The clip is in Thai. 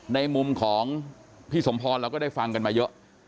ในมุมของพี่สมพรเราก็ได้ฟังกันมาเยอะ